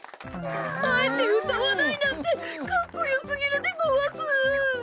あえてうたわないなんてかっこよすぎるでごわす！